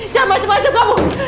jangan macam macam kamu